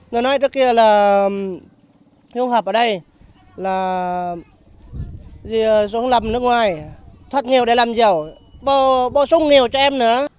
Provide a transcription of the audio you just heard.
người nói trước kia là hương hợp ở đây là dìa xuống lầm nước ngoài thoát nghèo để làm giàu bổ sung nghèo cho em nữa